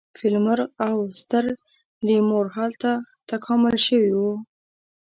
فیل مرغ او ستر لیمور هلته تکامل شوي وو.